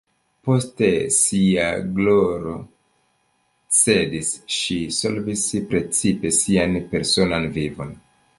Poste ŝia gloro cedis, ŝi solvis precipe sian personan vivon.